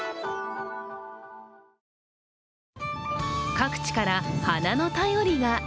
各地から花の便りが。